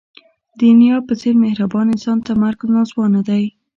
د انیلا په څېر مهربان انسان ته مرګ ناځوانه دی